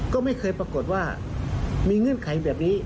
ก็ไม่เคยปรากฏว่ามีเงื่อนไขแบบนี้